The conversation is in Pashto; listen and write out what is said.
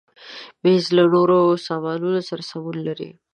مېز له نورو سامانونو سره سمون لري.